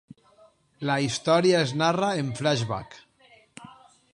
La història es narra en flashback.